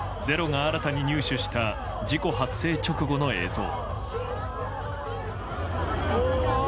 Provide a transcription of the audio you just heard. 「ｚｅｒｏ」が新たに入手した事故発生直後の映像。